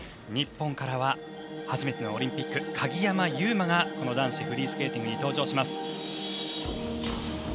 日本からは初めてのオリンピック鍵山優真がこの男子のフリースケーティングに登場します。